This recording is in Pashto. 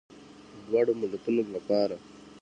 د دواړو ملتونو لپاره.